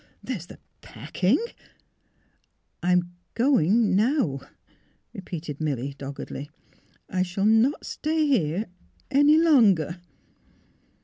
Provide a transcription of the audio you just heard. There is the packing "" I am going — now," repeated Milly, doggedly. " I shall not stay here any longer."